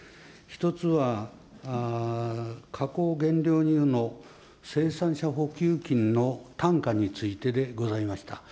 １つは、加工原料乳の生産者補給金の単価についてでございました。